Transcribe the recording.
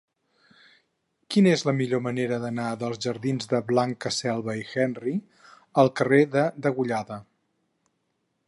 Quina és la millor manera d'anar dels jardins de Blanca Selva i Henry al carrer de Degollada?